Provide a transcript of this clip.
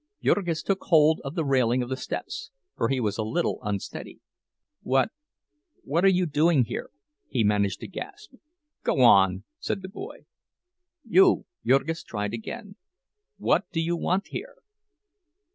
Jurgis took hold of the railing of the steps, for he was a little unsteady. "What—what are you doing here?" he managed to gasp. "Go on!" said the boy. "You—" Jurgis tried again. "What do you want here?"